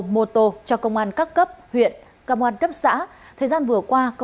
mô tô cho công an các cấp huyện cấp xã